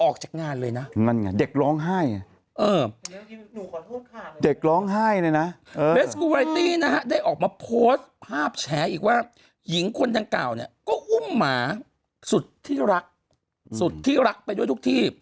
คนทั้งเก่าเนี่ยก็อุ้มหมาสุดที่รักสุดที่รักไปด้วยทุกที่